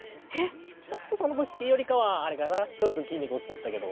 ちょっとその時よりかはあれかなちょっと筋肉落ちちゃったけど。